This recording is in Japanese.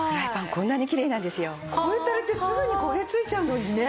こういうタレってすぐに焦げついちゃうのにね。